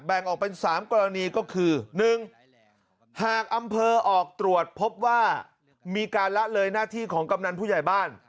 แบ่งออกเป็น๓กรณีก็คือ๑หากอำเภอออกตรวจพบว่ามีการละเลยหน้าที่ของกำนันผู้ใหญ่บ้าน